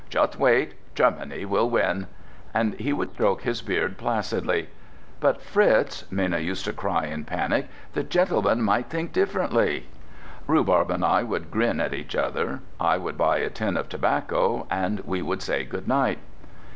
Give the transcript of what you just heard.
"Just wait! Germany will win!" And he would stroke his beard placidly. "But, Fritz!" Minna used to cry in a panic, "The gentleman might think differently!" Rhubarb and I would grin at each other, I would buy a tin of tobacco, and we would say good night.